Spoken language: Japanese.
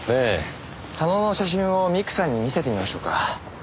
佐野の写真を美久さんに見せてみましょうか？